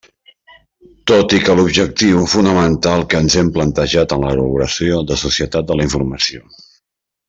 Tot i que l'objectiu fonamental que ens hem plantejat en l'elaboració de Societat de la informació.